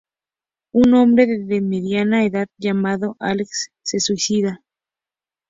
Un hombre de mediana edad llamado Alex se suicida.